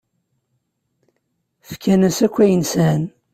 Fkan-as akk ayen sɛan.